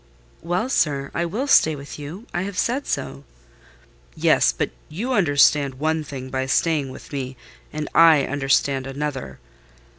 "Well, sir, I will stay with you: I have said so." "Yes—but you understand one thing by staying with me; and I understand another.